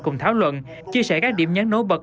cùng thảo luận chia sẻ các điểm nhấn nổi bật